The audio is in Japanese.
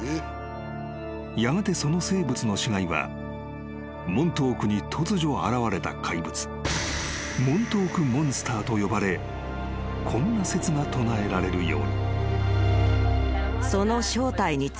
［やがてその生物の死骸はモントークに突如現れた怪物モントークモンスターと呼ばれこんな説が唱えられるように］